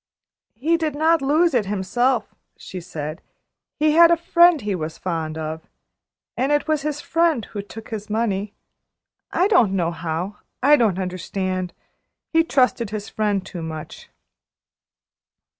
"He did not lose it himself," she said. "He had a friend he was fond of, and it was his friend, who took his money. I don't know how. I don't understand. He trusted his friend too much."